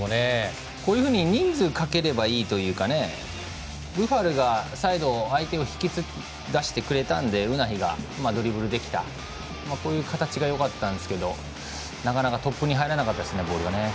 こういうふうに人数をかければいいというかブファルがサイド相手を引き出してくれたのでウナヒがドリブルできたこういう形がよかったんですけどなかなか、トップに入らなかったですね、ボールが。